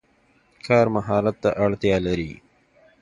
کار مهارت ته اړتیا لري.